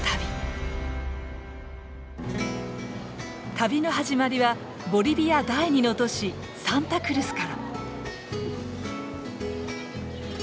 旅の始まりはボリビア第２の都市サンタクルスから。